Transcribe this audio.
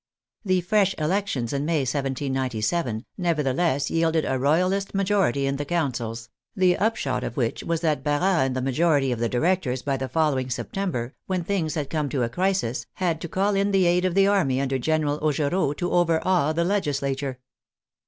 The fresh elections in May, 1797, nevertheless yielded a royal ist majority in the Councils, the upshot of which was that Barras and the majority of the directors by the following September, when things had come to a crisis, had to call in the aid of the army under General Augereau to over awe the legislature.